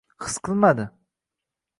his qilmadi